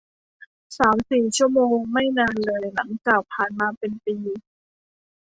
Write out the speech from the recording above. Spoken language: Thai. สามสี่ชั่วโมงไม่นานเลยหลังจากผ่านมาเป็นปี